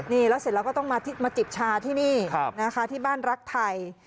นี่แล้วเสร็จแล้วก็ต้องมาจิบชาที่นี่นะคะที่บ้านรักไทย